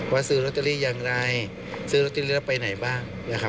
ซื้อลอตเตอรี่อย่างไรซื้อลอตเตอรี่แล้วไปไหนบ้างนะครับ